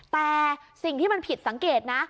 แต่สิ่งที่มันผิดสังเกตนะ